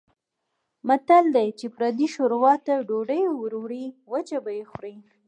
متل دی: چې پردۍ شوروا ته یې ډوډۍ وړوې وچه به یې خورې.